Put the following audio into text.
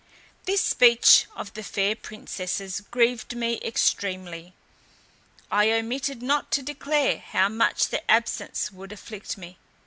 This speech of the fair princesses grieved me extremely. I omitted not to declare how much their absence would afflict me.